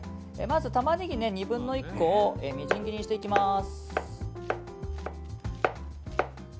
まずタマネギ２分の１個をみじん切りにしていきます。